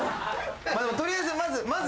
取りあえずまず。